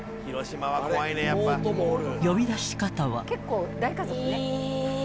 ［呼び出し方は］